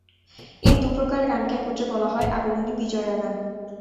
এ দু প্রকার গানকে একত্রে বলা হয় আগমনী-বিজয়া গান।